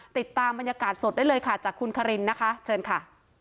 ติดตามบรรยากาศสดได้เลยค่ะจากคุณคารินนะคะเชิญค่ะ